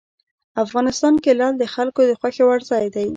افغانستان کې لعل د خلکو د خوښې وړ ځای دی.